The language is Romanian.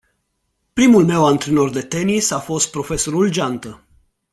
Primul meu antrenor de tenis a fost profesorul Geantă.